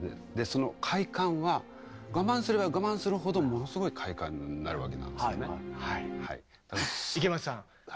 その快感は我慢すれば我慢するほどものすごい快感になるわけなんですよね。